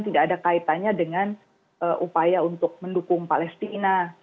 tidak ada kaitannya dengan upaya untuk mendukung palestina